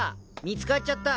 見つかっちゃった。